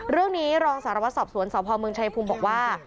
เรื่องนี้รองสารวัตรสอบสวนสพเมืองชายภูมิบอกว่า